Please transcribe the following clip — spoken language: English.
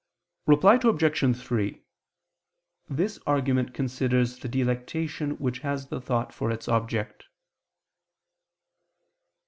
Reply Obj. 3: This argument considers the delectation which has the thought for its object.